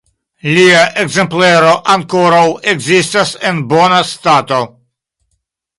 Lia ekzemplero ankoraŭ ekzistas en bona stato.